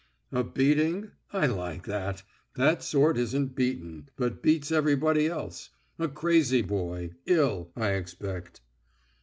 "A beating I like that.... That sort isn't beaten, but beats everybody else. A crazy boy; ill, I expect."